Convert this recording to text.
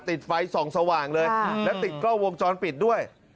ติดไฟส่องสว่างเลยแล้วติดกล้องวงจรปิดด้วย